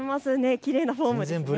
きれいなフォームですね。